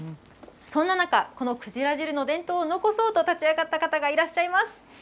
そんな中、このくじら汁の伝統を残そうと立ち上がった方がいらっしゃいます。